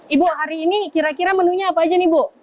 ibu hari ini kira kira menunya apa saja